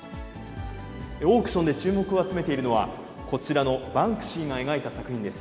オークションで注目を集めているのは、こちらのバンクシーが描いた作品です。